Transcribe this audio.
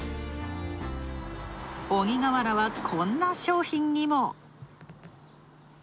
鬼瓦はこんな商品にも。